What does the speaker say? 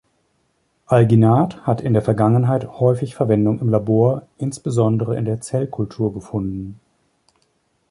Alginat hat in der Vergangenheit häufig Verwendung im Labor, insbesondere in der Zellkultur gefunden.